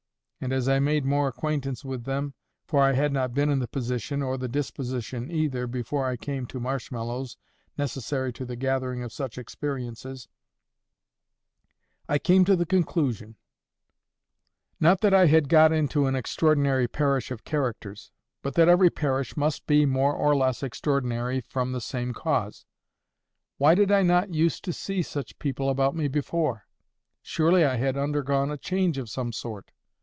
And as I made more acquaintance with them, (for I had not been in the position, or the disposition either, before I came to Marshmallows, necessary to the gathering of such experiences,) I came to the conclusion—not that I had got into an extraordinary parish of characters—but that every parish must be more or less extraordinary from the same cause. Why did I not use to see such people about me before? Surely I had undergone a change of some sort.